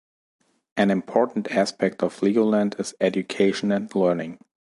An important aspect of Legoland is education and learning.